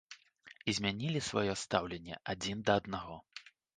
І змянілі сваё стаўленне адзін да аднаго.